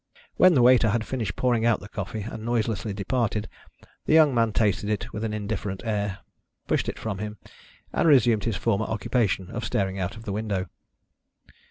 When the waiter had finished pouring out the coffee and noiselessly departed, the young man tasted it with an indifferent air, pushed it from him, and resumed his former occupation of staring out of the window.